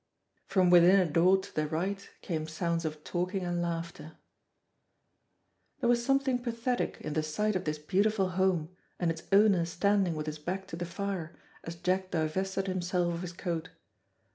From within a door to the right, came sounds of talking and laughter. There was something pathetic in the sight of this beautiful home, and its owner standing with his back to the fire, as Jack divested himself of his coat.